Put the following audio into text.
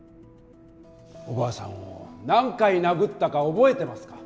おばあさんを何回殴ったか覚えてますか？